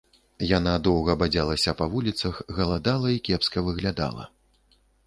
Яна доўга бадзялася па вуліцах, галадала і кепска выглядала.